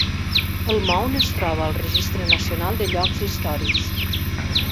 El Mound es troba al registre nacional de llocs històrics.